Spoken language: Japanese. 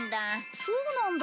そうなんだ。